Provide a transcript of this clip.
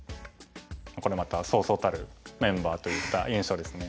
これまたそうそうたるメンバーといった印象ですね。